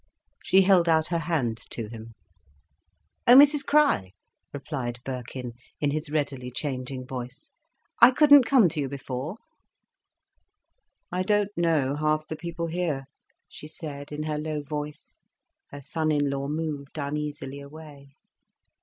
She held out her hand to him. "Oh Mrs Crich," replied Birkin, in his readily changing voice, "I couldn't come to you before." "I don't know half the people here," she said, in her low voice. Her son in law moved uneasily away.